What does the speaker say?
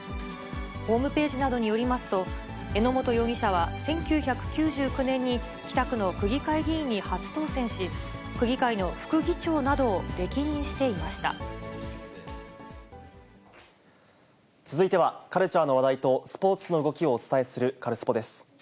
ホームページなどによりますと、榎本容疑者は１９９９年に北区の区議会議員に初当選し、区議会の続いては、カルチャーの話題とスポーツの動きをお伝えするカルスポっ！です。